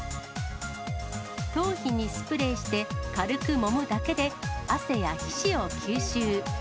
頭皮にスプレーして、軽くもむだけで、汗や皮脂を吸収。